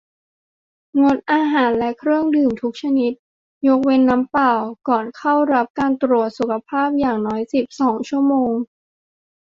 งดอาหารและเครื่องดื่มทุกชนิด ยกเว้นน้ำเปล่า ก่อนเข้ารับการตรวจสุขภาพอย่างน้อย สิบสอง ชั่วโมง